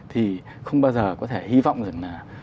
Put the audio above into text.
thì không bao giờ có thể hy vọng rằng là